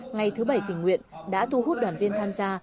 ngày thứ bảy tình nguyện đã thu hút đoàn viên tham gia